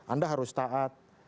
anda harus taat